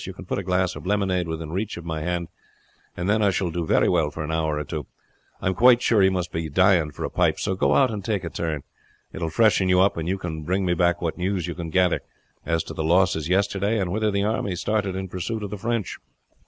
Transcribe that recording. You can put a glass of lemonade within reach of my hand, and then I shall do very well for an hour or two. I am quite sure you must be dying for a pipe; so go out and take a turn. It will freshen you up; and you can bring me back what news you can gather as to the losses yesterday, and whether the army started in pursuit of the French."